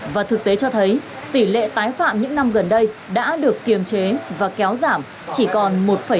và thực tế cho thấy tỷ lệ tái phạm những năm gần đây đã được kiềm chế và kéo giảm chỉ còn một năm